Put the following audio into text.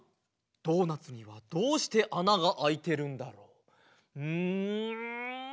ドーナツにはどうしてあながあいてるんだろう？ん？